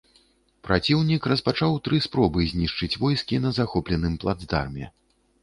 Праціўнік распачаў тры спробы знішчыць войскі на захопленым плацдарме.